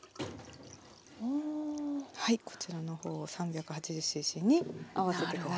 こちらの方を３８０ｃｃに合わせて下さい。